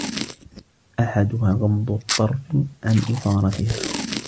أَحَدُهَا غَضُّ الطَّرْفِ عَنْ إثَارَتِهَا